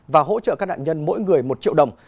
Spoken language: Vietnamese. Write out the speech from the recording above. và hỗ trợ các nạn nhân mỗi người một triệu đồng